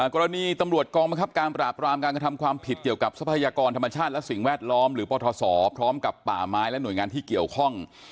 กรณีตำรวจกองบังคับการปราบรามการกระทำความผิดเกี่ยวกับทรัพยากรธรรมชาติและสิ่งแวดล้อมหรือปทศพร้อมกับป่าไม้และหน่วยงานที่เกี่ยวข้อง